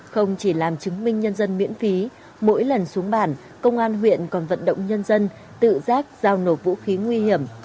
không chỉ làm chứng minh nhân dân miễn phí mỗi lần xuống bản công an huyện còn vận động nhân dân tự giác giao nộp vũ khí